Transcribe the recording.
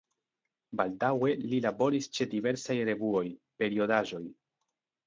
Baldaŭe li laboris ĉe diversaj revuoj, periodaĵoj.